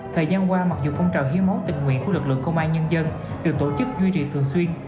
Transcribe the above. thời gian qua mặc dù phong trào hiến máu tình nguyện của lực lượng công an nhân dân được tổ chức duy trì thường xuyên